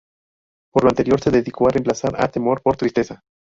Por lo anterior, se decidió a reemplazar a Temor por Tristeza.